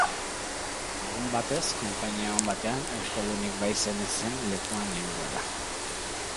Egun batez, konpainia on batean, euskaldunik baizen ez zen lekuan nengoela.